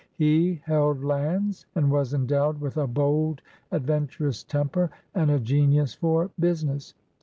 He held lands, and was endowed with a boId> adventurous temper and a genius for business.